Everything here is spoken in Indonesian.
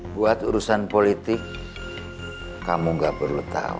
buat urusan politik kamu gak perlu tahu